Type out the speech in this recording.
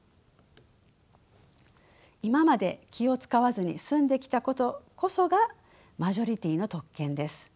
今まで気を遣わずに済んできたことこそがマジョリティーの特権です。